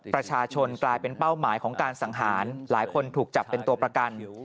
ประชาชนกลายเป็นเป้าหมายของการสังหารหลายคนถูกจับเป็นตัวประกัน